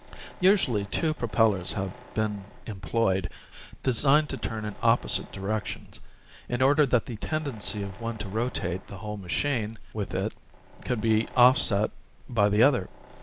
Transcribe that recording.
Usually, two propellers have been employed, designed to turn in opposite direc tions, in order that the tendency of one to rotate the whole machine with it could be offset by the other.